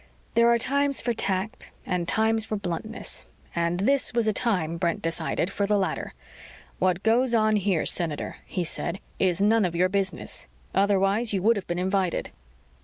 There are times for tact and times for bluntness, and this was a time, Brent decided, for the latter. "What goes on here, Senator," he said, "is none of your business. Otherwise, you would have been invited."